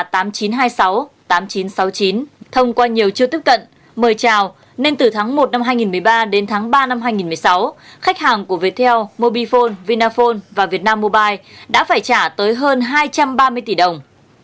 thông qua nhiều chưa tiếp cận mời trào nên từ tháng một năm hai nghìn một mươi ba đến tháng ba năm hai nghìn một mươi sáu khách hàng của viettel mobifone vinaphone và vietnam mobile đã phải trả tới hơn hai trăm ba mươi tỷ đồng